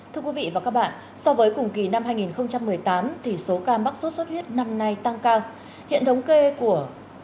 thưa quý vị và các bạn so với cùng kỳ năm hai nghìn một mươi tám thì số ca mắc xuất xuất huyết năm nay tăng cao